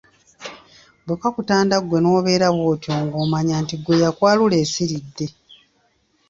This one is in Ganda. Bwe kakutanda ggwe n’obeera bw’otyo ng’omanya nti ggwe eyakwalula esiridde.